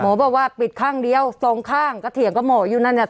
บอกว่าปิดข้างเดียวสองข้างก็เถียงกับหมออยู่นั่นเนี่ย